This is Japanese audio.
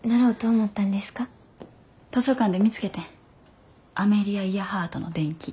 図書館で見つけてんアメリア・イヤハートの伝記。